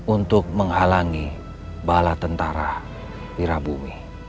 untuk menghalangi bala tentara wirabumi